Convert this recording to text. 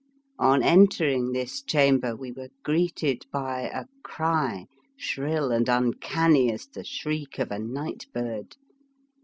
On entering this chamber we were greeted by a cry, shrill and uncanny as the shriek of a night bird.